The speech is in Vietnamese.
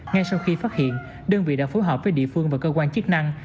ngay sau khi phát hiện đơn vị đã phối hợp với địa phương và cơ quan chức năng